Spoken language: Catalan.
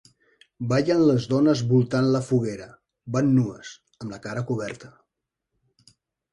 Ballen les dones voltant la foguera; van nues, amb la cara coberta.